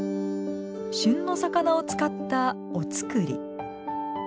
旬の魚を使ったお造り。